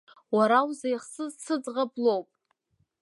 Уара узеихсыз сыӡӷаб лоуп.